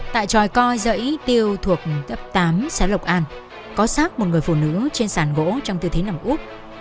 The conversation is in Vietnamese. tại tròi coi dạy tiêu thuộc tập tám xã lộc an có sát một người phụ nữ trên sàn gỗ trong tư thế nằm úp